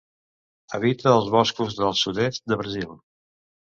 Habita els boscos del sud-est de Brasil.